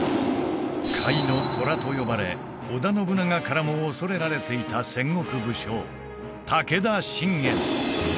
甲斐の虎と呼ばれ織田信長からも恐れられていた戦国武将武田信玄